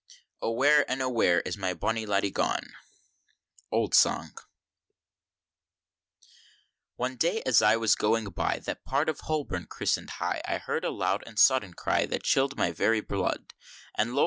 "Oh where, and oh where Is my bonny laddie gone?" Old Song. One day, as I was going by That part of Holborn christened High, I heard a loud and sodden cry, That chill'd my very blood; And lo!